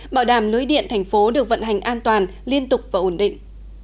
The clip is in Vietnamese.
bảo đảm lưới điện thành phố được vận hành an toàn liên tục và ổn định